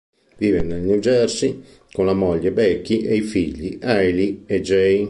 Vive nel New Jersey con la moglie, Becky, e i figli, Ali e Jay.